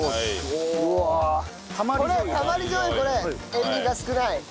塩味が少ない。